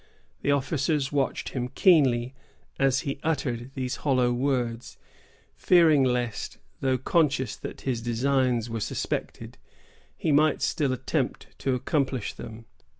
The officers watched him keenly as he uttered these hollow words, fearing lest, though conscious that his designs were suspected, he might still attempt to accomplish them.